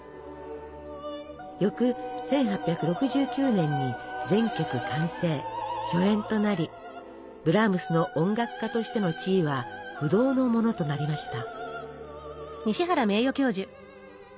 翌１８６９年に全曲完成初演となりブラームスの音楽家としての地位は不動のものとなりました。